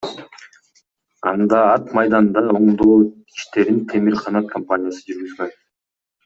Анда ат майданда оңдоо иштерин Темир Канат компаниясы жүргүзгөн.